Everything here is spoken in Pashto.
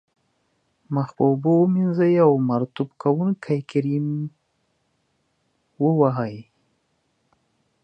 مخ په اوبو ومینځئ او مرطوب کوونکی کریم و وهئ.